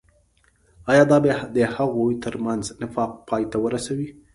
آيا دا به د هغوي تر منځ نفاق پاي ته ورسوي.